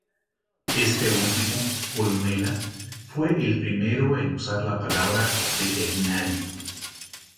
Este último, Columela, fue el primero en usar la palabra "veterinario".